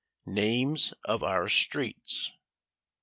NAMES OF OUR STREETS.